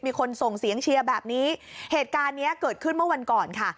มีคนส่งเสียงเชียร์แบบนี้เหตุการณ์เนี้ยเกิดขึ้นเมื่อวันก่อนค่ะ